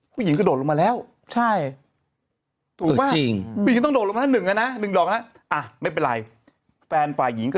ผู้หญิงก็โดดลงมาแล้ว